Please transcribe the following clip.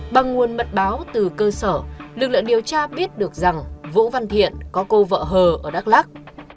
bằng nguồn mật báo từ cơ sở lực lượng điều tra biết được rằng vũ văn thiện có cô vợ hờ ở đắk lắc